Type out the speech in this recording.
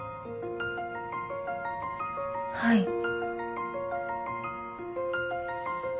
はい。